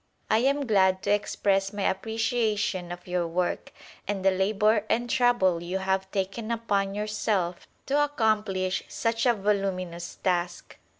I am glad to express my appreciation of your work, and the labour and trouble you have taken upon yourself to accomplish such a voluminous task.